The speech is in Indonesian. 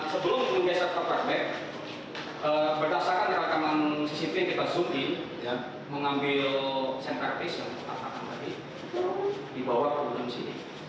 sebelum kita set up paper bag berdasarkan rakanan cctv yang kita zoom in mengambil sandbag piece yang kita pakai tadi dibawa ke gunung sini